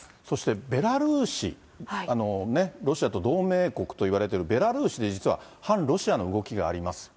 そしてベラルーシ、ロシアと同盟国といわれてるベラルーシで、実は反ロシアの動きがあります。